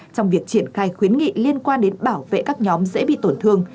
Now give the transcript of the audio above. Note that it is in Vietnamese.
trong việc triển khai khuyến nghị liên quan đến bảo vệ các nhóm dễ bị tổn thương